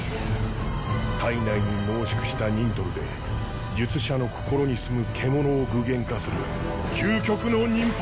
体内に濃縮したニントルで術者の心にすむ獣を具現化する究極の忍法！